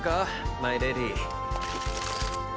マイレディ？